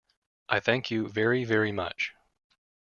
I thank you, very, very much.